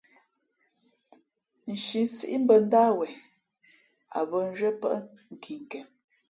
Nshi sǐʼ bᾱ ndáh wen, a bᾱ nzhwié pάʼ nkinken.